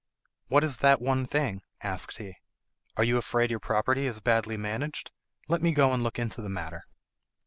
"What is that one thing?" asked he. "Are you afraid your property is badly managed? Let me go and look into the matter."